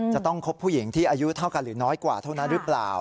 จะต้องคบผู้หญิงที่อายุเท่ากันหรือน้อยกว่าเท่านั้นหรือเปล่า